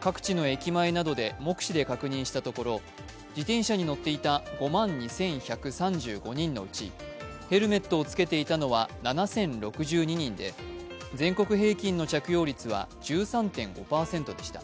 各地の駅前などで目視で確認したところ、自転車に乗っていた５万２１３５人のうちヘルメットを着けていたのは７０６２人で全国平均の着用率は１３．５％でした。